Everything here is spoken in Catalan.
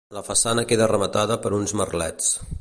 La façana queda rematada per uns merlets.